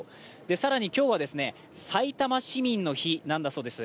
更に今日はさいたま市民の日なんだそうです。